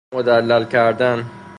مدلل کردن